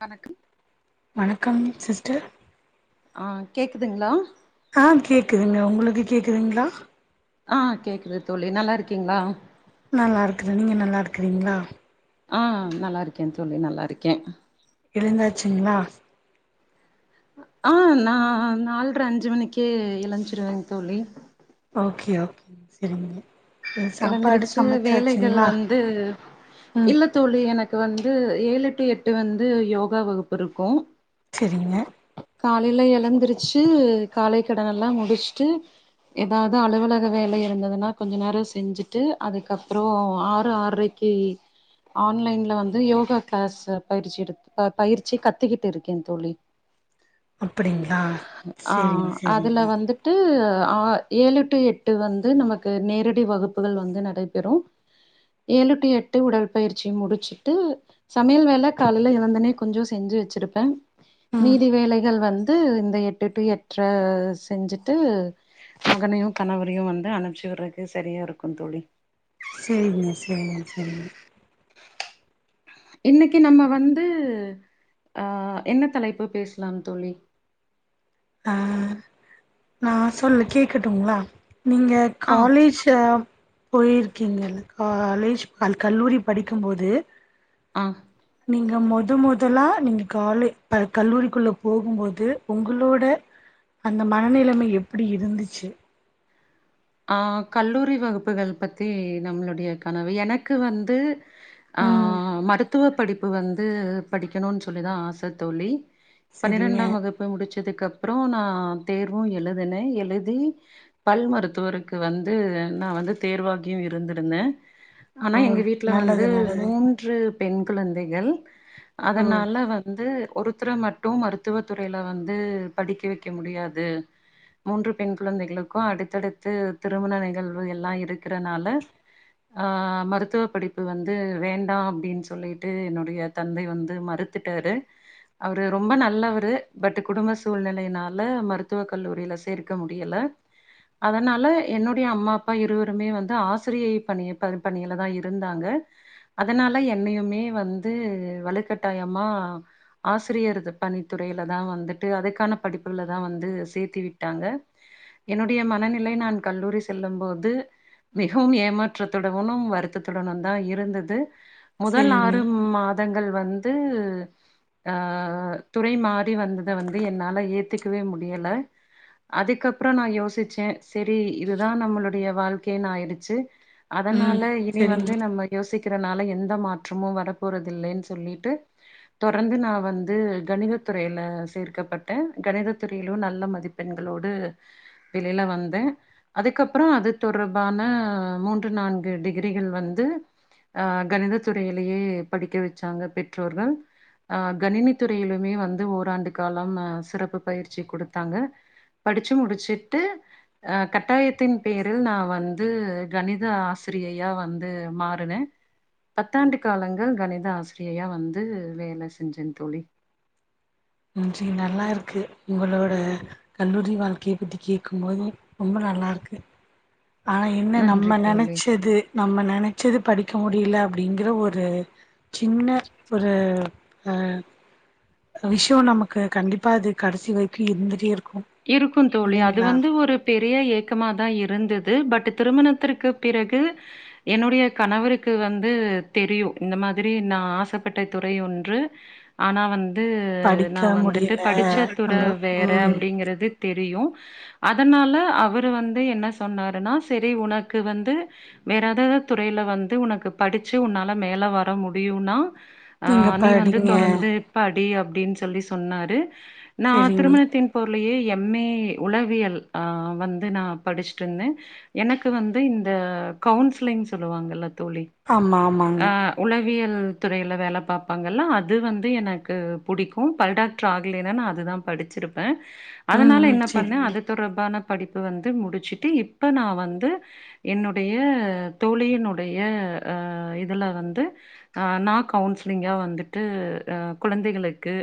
வணக்கும் வணக்கம் சிஸ்டர் அ கேட்குதுங்ளா அ கேக்குதுங்க உங்களுக்கு கேக்குதுங்ளா ஆ கேக்குது தோழி நல்லாருக்கீங்ளா நல்லாருக்குற நீங்க நல்லாருக்குறீங்ளா அ நல்லாருக்கே தோழி நல்லாருக்கே எழுந்தாச்சுங்ளா அ நா நால்ற அஞ்சு மணிக்கே எழுஞ்சிருவே தோழி ஓக்கே ஓக் செரிங்க எழந்துருச்சு வேலைகள் வந்து ம் இல்லத் தோழி எனக்கு வந்து ஏழு டு எட்டு வந்து யோகா வகுப்புருக்கு ச்சரிங்க காலைல எழந்துருச்சு காலை கடனல்லா முடிச்ட்டு எதாவது அலுவலக வேலை இருந்ததுன்னா கொஞ்சொ நேர ஸ் செஞ்சுட்டு அதுக்கப்பற ஆறு ஆற்ரைக்கு ஆன்லைன்ல வந்து யோகா க்ளாஸ் பயிற்சி எடுத் பயிற்சி கத்துக்கிட்டு இருக்கேந்தோழி அப்புடிங்களா செரிங்க செரிங்க டு ஆ ஏழு டு எட்டு வந்து நமக்கு நேரடி வகுப் புகல் வந்து நடைபெறு ஏழு டு எட்டு உடற்பயிற்சி முடுச்சுட்டு சமையல் வேல காலில்ல எழந்தனே கொஞ்சொ செஞ்சு வச்சிருப்பே ம் மீதி வேலைகள் வந்து இந்த எட்டு டு எட்டர செஞ்சுட்டு மகனையு கணவரையு வந்து அனுப்ச்சி விற்ற்க்கு சரியா இருக்குந்தோழி செரிங்க செரிங்க செரிங்க இன்னைக்கு நம்ம வந்து அ என்ன தலைப்பு பேஸ்லாம் தோழி அ நா சொல்லு கேக்கட்டுங்ளா நீங்க ஆ காலேஜ் அ போயிருக்கீங்கல்ல காலேஜ் அள் கல்லூரி படிக்கும்போது அ நீங்க மொத மொதல்லா நீங்க காலே க கல்லூரிக்குள்ள போகும்போது ஒங்குளோட அந்த மனநிலைமை எப்புடி இருந்துச்சு அ கல்லூரி வகுப்புகள் பத்தி நம்ளுடைய கனவு எனக்கு வந்து ஆ ம் மருத்துவ படிப்பு வந்து படிக்கணூன் சொல்லிதா ஆச தோழி செரிங்க பனிரெண்டாம் வகுப் போய் முடிச்சதுக் கப்புற நா தேர்வூ எழுதுனே எழுதி பல் மரு த்துவருக்கு வந்து நா வந்து தேர்வாகியு இருந்திருந்த அனா ஓ எங்க வீட்ல வந்து நல்லது நல்லது மூன்று பெண் குழந்தைகள் ஓ அதனால வ ந்து ஒருத்ர மட்டு மருத்துவ துறையில வந்து படிக்க வெக்க முடியாது மூன்று பெண் குழந்தைகளுக்கூ அடுத்தடுத்து திருமண நிகழ்வு எல்லா இருக்குறனால ஆ மருத்துவ படிப்பு வந்து வேண்டா அப்டின் சொல்லிட்டு என்னுடைய தந்தை வந்து மறுத் த்துட்டாரு அவரு ரொம்ப நல்லவரு பட் குடும்ப சூழ்நிலையினால மருத்துவ கல்லூரியில சேர்க்க முடியல அதனால என்னுடைய அம்மா அப்பா இருவருமே வந்து ஆசிரியை பணிய ப பணியிலதா இருந்தாங்க அதனால என்னையுமே வந்து வலுக்கட்டாயமா ஆசிரியர்து பணித்துறையில தா வந்துட்டு அதுக்கான படிப்புல தா வந்து சேத்தி விட்டாங்க என்னுடைய மனநிலை நான் கல்லூரி செல்லும் போது மிகவும் ஏமாற்றத்துடனும் வருத்தத்துடனும் தா இருந்தது முதல் செரிங்க ஆறு மாதங்கள் வந்து அ துறை மாறி வந்தத வந்து என்னால ஏத்துக்கவே முடியல அதுக்கப்புற நா யோசிச்சே செரி இதுதா நம்மளுடைய வாழ்க்கைன்னு ஆயிடுச்சு ம் அதனால இனி செரிங்க வந்து நம்ம யோசிக்கிறனால எந்த மாற்றமு வர போறதில்லைன்னு சொல்லிட்டு தொடர்ந்து நா வந்து கணித துறையில சேர்க்கப்பட்டே கணித துறையிலும் நல்ல மதிப் பெண்களோடு வெளில வந் தே அதுக்கப்புற அது தொடர்பான மூன்று நான்கு டிகிரிகள் வந்து அ கணித துறையிலேயே படிக்க வெச்சாங்க பெற்றோர்கள் அ கணினி துறையிலுமே வந்து ஓராண்டு காலம் அ சிறப்பு பயிற்சி குடுத்தாங்க படிச்சு முடிச்சிட்டு அ கட்டாயத்தின் பேரில் நா வந்து கணித ஆசிரியையா வந்து மாறுனே பத்தாண்டு காலங்கள் கணித ஆசிரியையா வந்து வேல செஞ்சேன் தோழி ம் ஜி நல்லா இருக்கு உங்களோட கல்லூரி வாழ்க்கையை பத்தி கேட்கும் போது ரொம்ப நல்லா இருக்கு ஆனா என்ன நன்றி நம்ம தோழி நெனச்சது நம்ம நெனச்சது படிக்க முடியல அப்டிங்கற ஒரு சின்ன ஒரு ஆ விஷயோ நமக்கு கண்டிப்பா அது கடைசி வரைக்கு இருந்துட்டே இருக்கு இருக்குந் தோழி அது இல்லைங்களா வந்து ஒரு பெரிய ஏக்கமா தா இருந்தது பட் திருமணத்திற்குப் பிறகு என்னுடைய கணவருக்கு வந்து தெரியு இந்த மாதிரி நா ஆசப்பட்ட துறை யோன்று ஆனா வந்து படிக்க நா வந்துட்டு முடியல படிச்ச துற நம்ம வேற அப் ம் ங்கிறது தெரியு அதனால அவரு வந்து என்ன சொன்னாருன்னா செரி உனக்கு வந்து வேற எதாவது துறையில வந்து உனக்கு படிச்சு உன்னால மேல வர முடியுனா ஆ நீங்க நீ வந்து படிங்க தொடர்ந்து படி அப்டின்னு சொல்லி சொன்னாரு நா செரிங்க திருமணத்தின் போர்லியே எம் ஏ உளவியல் அ வந்து நா படிச்சட்டுருந்தே எனக்கு வந்து இந்த கவுன்சிலிங் சொல்லுவாங்கல்ல தோழி ஆமா ஆமாங்க அ உளவியல் துறையில வேல பாப்பாங்கள்ல்ல அது வந்து எனக்கு புடிக்கு பல்டா ட்டர் ஆகலன்னா நா அதுதா படிச்சிருப்பே ம் அதனால ம் என்ன பண்ண செரிங்க அது தொடர்பான படிப்பு வந்து முடிச்சுட்டு இப்ப நா வந்து என்னுடைய தோழியினுடைய அ இதுல வந்து அ நா கவுன்சிலிங்காக வந்துட்டு அ குழந்தைகளுக்கு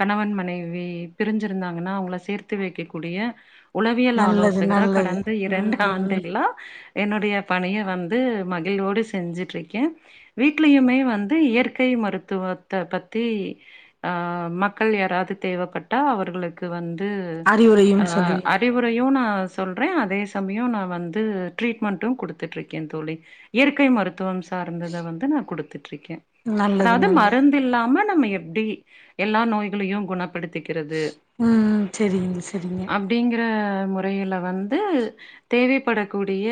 கணவன் மனைவி பிரிஞ்சிருந்தாங்கன்னா அவங்கள சேர்த்து வெக்கக்க கூடிய உளவியல் நல்லது ஆலோசகரா நல்லது கடந்த ம் இரண்டு ம் ம் ஆண்டுகளா என்னுடைய பணியை வந்து மகிழ்வோடு செஞ்சுட்டுருக்கே வீட்லயுமே வந்து இயற்கை மருத்துவத்தைப் பத்தி அ மக்கள் யாராவது தேவைப்பட்டா அவர்களுக்கு வந்து அ அறிவுரையும் சொல்லுவீங்க அறிவு றையும் நான் சொல்றேன் அதே சமயம் நான் வந்து ட்ரீட்மெண்ட்டும் கொடுத்துட்டுருக்கேன் தோழி இயற்கை மருத்துவம் சார்ந்தத வந்து நான் கொடுத்துட்டு இருக்கேன் நல்லது அதாவது நல்லது மருந் தில்லாம நம்ம எப்படி எல்லா நோய்களையும் குணப்படுத்திக்கிறது ஆ சரிங்க சரிங்க அப்டிங்கிற முறையில வந்து தேவைப்படக்கூடிய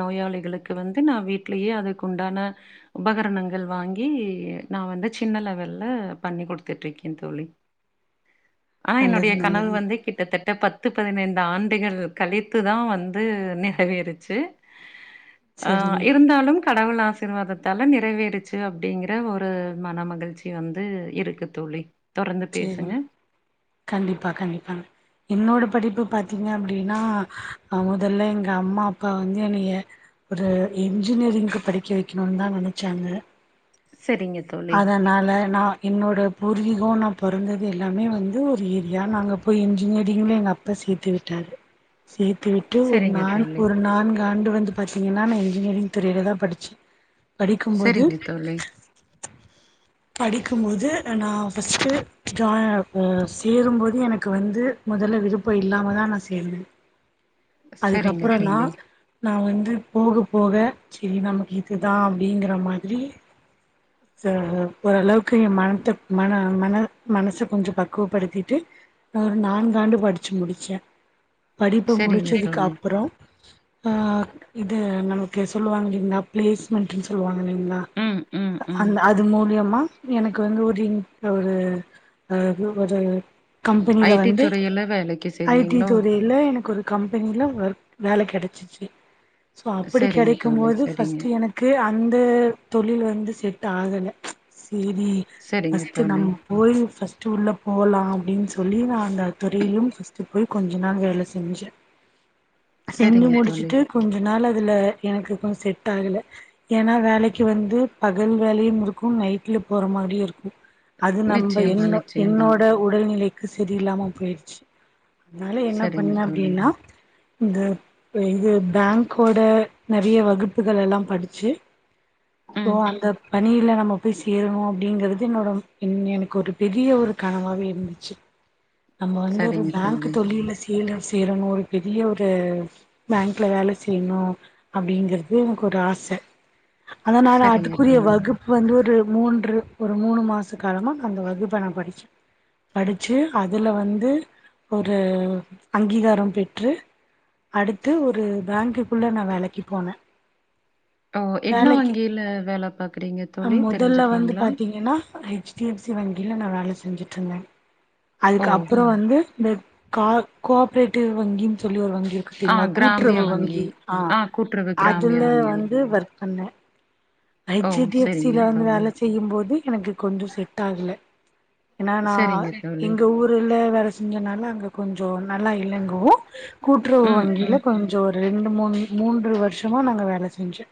நோயாளிகளுக்கு வந்து நான் வீடிலேயே அதுக்கு உண்டான உபகரணங்கள் வாங்கி நான் வந்து சின்ன லெவல்ல பண்ணி கொடுத்துட்டு இருக்கேன் தோழி ஆனா என்னுடைய நல்லது கனவு நல்லது வந்து கிட்டத்தட்ட பத் து பதினைந்து ஆண்டுகள் கழித்துதான் வந்து நிறவேறுச்சு ஆஹ் செரிங்க இருந்தாலும் கடவுள் ஆசிர்வாதத்தால நிறைவேறிச்சு அப்படிங்கற ஒரு மன மகிழ்ச்சி வந்து இருக்கு தோழி தொடர்ந்து சரி பேசுங்க. கண்டிப்பா கண்டிப்பாங்க என்னோட படிப்பு பாத்தீங்க அப்படின்னா முதல்ல எங்க அம்மா அப்பா வந்து என்னைய ஒரு என்ன்ஜினியரிங்க்கு படிக்க வைக்கணுனு தான் நினச்சாங்க சரிங்க தோழி. அதனால நான் என்னோட பூர்வீகம் நான் பொறந்தது எல்லாமே வந்து ஒரு ஏரியா நாங்கள் போய் என்ஜினியரிங் எங்கள் அப்ப பா சேத்து விட்டாரு சேத்து விட் டு ஒரு சரிங்க நா தோழி. ஒரு நான்கு ஆண்டு வந்து பாத்தீங்கன்னா நான் இன்ஜினியரிங் துறையில தான் படிச்சேன் படிக்கும்போது சரிங்க தோழி. படிக்கும்போது நான் ஃபர்ஸ்ட்டு ஜா சேரும்போது எனக்கு வந்து முதல்ல விருப்பம் இல்லாம தான் நான் சேர்ந்தேன் சரிங்க அதுக்கப்புறோ நா தோழி. நான் வந்து போக போக சரி நமக்கு இது தான் அப்படிங்கிற மாதிரி ச ஓரளவுக்கு என் மனத்தை மன மன மனச கொஞ்சம் பக்குவப்படுத்திட்டு ஒரு நான்காண்டு படிச்சு முடிச்சேன் படிப்ப சரிங்க முடிச்சதுக்கு தோழி. அப்புறம் ஆ இது நமக்கு சொல்லுவாங்க இல்லைங்களா பிளேஸ்மெண்டட்ன்னு சொல்லுவாங்க இல்லைங்களா ம், ம், ம். அந் அது மூலியமா எனக்கு வந்து ஒரு இன்க் ஒரு அ து ஒரு கம்பெனில ஐடி வந்து துறையில வேலைக்கு ஐ டி சேர்ந்தீங்களோ? துறை ல எனக்கு ஒரு கம்பெனில ஒர்க் வேலை கிடைச்சிச்சு சோ அப்படி சரிங்க கிடைக்கும் தோழி, போது சரிங்க. ஃபர்ஸ்ட் எனக் கு அந்த தொழில் வந்து செட் ஆகலை சரி சரிங்க ஃபஸ்ட்ட் தோழி. நம் போய் ஃபர்ஸ்ட்டு உள்ளே போலாம் அப்படின்னு சொல்லி நான் அந்த துறையிலும் ஃபஸ்ட்டு போய் கொஞ்ச நாள் வேலை செஞ்சேன் செஞ்சு சரிங்க தோழி. முடிச்சுட்டு கொஞ்சம் நாள் அதில எனக்கு கொஞ்சம் செட் ஆகலை ஏன்னா வேலைக்கு வந்து பகல் வேலையும் இருக்கும் நைட்டில போக மாரியும் இருக்கும் அது நம்ம நிச்சயமா, என்ன நிச்சயமா. என்னோட உடல்நிலைக்கு சரியில்லாம போயிருச்சு அதனால என்ன சரிங்க பண்ண தோழி. அப்படின்னா இந்த இது பேங்க்கோட நிறைய வகுப்புகள் எல்லாம் படிச்சு தோ ம். அந்த ப ணியில் நம்ம போய் சேரணும் அப்படிங்கிறது என்னோடய என் எனக்கு ஒரு பெரிய ஒரு கனவாவே இருந்துச்சு நம்ம வந்து ஒரு சரிங்க பேங்க் தோழி. தொழில்ல சேலர் சேரறனு ஒரு பெரிய ஒரு பேங்க்ல வேல செய்யணு அப்டிங்கிறது எனக்கு ஒரு ஆசை அதுனால சரிங்க அதுக்குரிய தோழி. வகு ப்பு வந்து ஒரு மூன்று ஒரு மூணு மாச காலமா அந்த வகுப்ப நா படிச்சே படிச்சி அதுல வந்து ஒரு அங்கீகாரோ பெற்று அடுத்து ஒரு பேங்க்குக்குள்ள நா வேலைக்கிப் போன ஓ என்ன வேலைக்கு வங்கியில வேல பாக்குறீங்க அ மொதல்ல வந்து பாத்தீங்கன்னா ஹெச் டி எஃப் சி வங்கியில நா வேல செஞ்சுட்டு இருந்தே ஓ! அதுக்கு அப்றோ வந்து இந்த கா கோஆப்ரேட்டிவ் வங்கின்னு சொல்லி ஒரு வங்கி ஆ தீங்ன்னா கிராமிய கூட்டுறவு வங்கி ஆ கூட்டுறவு கிராமிய அதுல வங்கி. வந்து ஒர்க் பண்ண ஓ! ஹெச் டி எஃப் சில சரிங்க வந்து தோழி. வேல செ ய்யும் போது எனக்கு கொஞ்சோ செட் ஆகல ஏன்னா நா சரிங்க தோழி. எங்க ஊர்ல வேல செஞ்சனால அங்க கொஞ்சோ நல்லா இல்லங்கோ கூட்டுறவு ம், வங்கியில ம். கொஞ் சோ ஒரு ரெண்டு மூண் மூன்று வருஷமா நா அங்க வேல செஞ்ச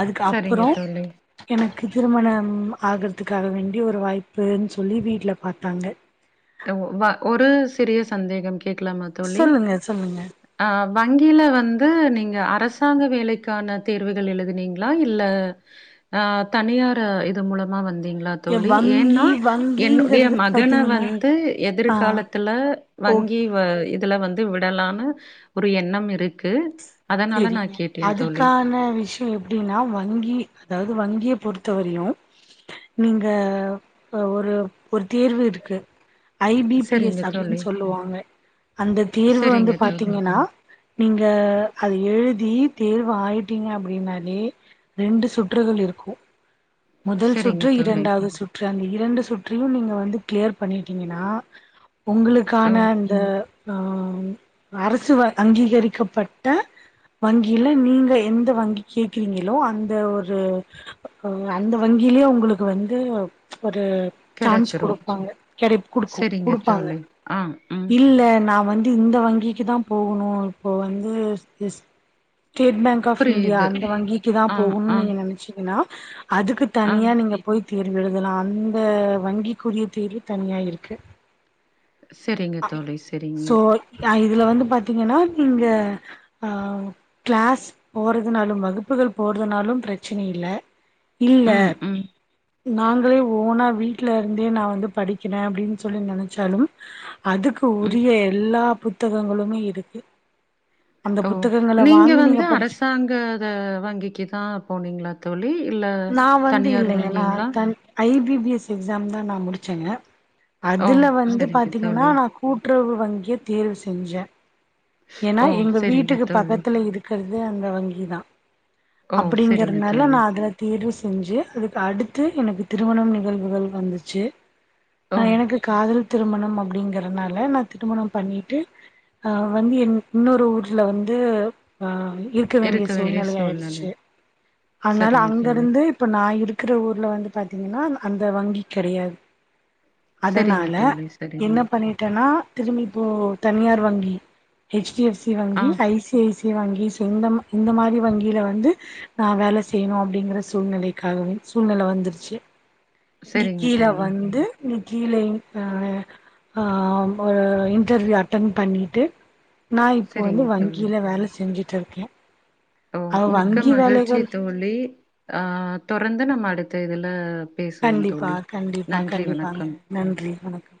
அதுக்கு அப் சரிங்க தோழி. எனக்கு திருமணம் ஆகிறதுக்காக வேண்டி ஒரு வாய்ப்புன்னு சொல்லி வீட்ல பாத்தாங்க அ ஓ வ ஒரு சிறிய சந்தேகம் கேட்கலாமாக் சொல்லுங்க சொல்லுங்க அ வங்கியில வந்து நீங்க அரசாங்க வேலைக்கான தேர்வுகள் எழுதினீங்களா இல்ல ஆ தனியார் இது மூலமா வந்தீங்களாக் எ தோழி ஏன்னா வங்கி என்னுடய வங்கிங்கிறது மகன பாத்தீங்கன்னா வந் து ஆ எதிர்காலத்துல ஓக் வங்கி வ இதுல வந்து விடலானு ஒரு எண்ணம் இருக்கு அதனால சேரிங்க நான் கேட்டேன் தோழி. அதுக்கான விஷயோ எ அப்டின்னா வங்கி அதாவுது வங்கிய பொருத்த வரியு நீங்க அ ஒரு ஒரு தேர்வு இருக்கு ஐ பி பீ சரிங்க எஸ் அப்டின்னு தோழி. சொல்லுவாங்க அந்த தேர்வு வந்து சரிங்க தோழி. பாத்தீங்கன்னா நீங்க அது எழுதி தேர்வு ஆயிடீங்க அப்டின்னாலே ரெண்டு சுற்றுகள் இருக்கு முதல் சரிங்க சுற்று தோழி. இரண்டாவது சுற்று அந்த இரண்டு சுற்றியு நீங்க வந்து கிளியர் பண்ணிட்டீங்ன்னா ஓ! உங்களுக்கான அந்த ஆ அரசு வ அங்கீகரிக்கப்பட்ட வங்கியில நீங்க எந்த வங்கி கேக்கிறீங்களோ அந்த ஒரு அந்த வங்கியிலே உங்களுக்கு வந்து ஒரு சான்ஸ் கிடைச்சிரும். குடுப்பாங்க கெடைப் குடுக்கு சரிங்க குடுப்பாங்க தோழி. ஆ, ம். இல்ல நா வந் து இந்த வங்கிக்கு தா போணு இப்போ வந்து state bank of India புரியுது. அந்த வங்கிக்கு தா ஆ, போவுணுனு ஆ, நீங்க நெனைச்சீங்ன்னா அதுக்கு ஆ. தனியா நீங்க போய் தேர்வு எழுதலா அந்த வங்கிக்குரிய தேர்வு தனியா இருக்கு சரிங்க அ தோழி. சரிங்க. சோ அ இதுல வந்து பாத்தீங்ன்னா நீங்க அ கிளாஸ் போறதுனாலு வகுப்புகள் போறதுனாலு பிரச்சன இல்ல இல்ல ம், ம், நாங்களே ஓனா வீட்ல இருந்தே நா வந்து படிக்கிறே அப்டின்னு சொல்லி நெனைச்சாலும் அதுக்கு ம். உரிய எல்லா புத்தகங்களுமே இருக்கு அந்த ஓ புத்தகங்கள நீங்க வாங்கி வந்து படிச்சு அரசாங்க இது வங்கிக்கு தா போனீங்ளா தோழி இல்ல நா வந்து தனியார் இல்லைங்க நா வங்கிங்ளா தன் I B P S exam தா நா முடிச்சேங்க ஓ! அதுல வந்து சரிங்க பாத்தீங்கன்னா தோழி. நா கூட்டுறவு வங்கிய தேர்வு செஞ்ச ஏன்னா ஓ! எங்க சரிங்க வீட்க்கு தோழி. பக்கத்துல இருக்கறது அந்த வங்கி தா ஓ! சரிங்க அப்டிங்கிறதுனால தோழி. நா அதுல தேர்வு செஞ்சி அதுக்கு அடுத்து எனக்கு திருமணம் நிகழ்வுகள் வந்துச்சி ஓ! நா எனக்கு காதல் திருமணம் அப்டிங்கறனால நா திருமணம் பண்ணிட்டு ஆ வண்டி எண் இன்னொரு ஊர்ல வந்து அ இருக்க வேண்டிய சூழ்நிலையா ஆயிடுச்சி அதனால சரிங்க தோழி. அங்கருந்து இப்ப நா இருக்கற ஊர்ல வந்து பாத்தீங்கன்னா அந்த வங்கி கொடையாது சரிங்க அதனால தோழி, சரிங்க. என்ன பண்ணிட்டேன்னா திரும்பிப்போ தனியார் வங்கி ஹெச் டி எஃப் சி ஆ, வங்கி ஐ சி ஐ சி வங்கி சொந்தமா இந்த மாரி வங்கியில வந்து நா வேல செய்யணோ அப்படிங்கிற சூழ்நிலைக்காகவே சூழ்நிலை வந்துருச்சி சரிங்க நிக்கில தோழி. வந்து நிக்கியில அ ஆம் ஒரு இன்டர்வியூ அட்டன் பண்ணிட்டு நா இப்போ வந்து சரிங்க தோழி. வங்கியில வேல செஞ்சிட்டு இருக்கே ஓ அவ மிக்க வங்கி மகிழ்ச்சி வேலைகள் தோழி அ தொடர்ந்து நம்ம அடுத்த இதுல பேசுவோம் கண்டிப்பா தோழி. கண்டிப்பா நன்றி, கண்டிப்பாங்க வணக்கம். நன்றி வணக்கம்